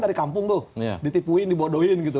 dari kampung tuh ditipuin dibodohin gitu